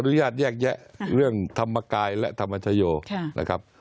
ญาตแยกแยะเรื่องธรรมกายและธรรมชโยนะครับ